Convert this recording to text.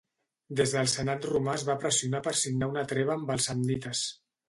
Des del senat romà es va pressionar per signar una treva amb els samnites.